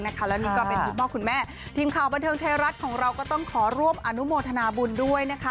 แล้วนี่ก็เป็นคุณพ่อคุณแม่ทีมข่าวบันเทิงไทยรัฐของเราก็ต้องขอร่วมอนุโมทนาบุญด้วยนะคะ